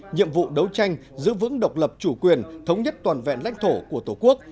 nhiệm vụ đấu tranh giữ vững độc lập chủ quyền thống nhất toàn vẹn lãnh thổ của tổ quốc